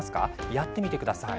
やってみてください。